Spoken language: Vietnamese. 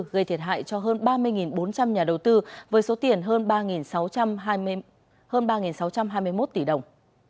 gây thiệt hại cho hơn ba mươi bốn trăm linh nhà đầu tư với số tiền hơn ba sáu trăm hai mươi một tỷ đồng